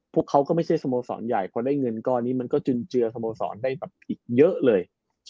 เขาก็ไม่ใช่สโมสรใหญ่พอได้เงินก้อนนี้มันก็จุนเจือสโมสรได้แบบอีกเยอะเลย